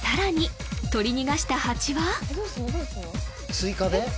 追加で？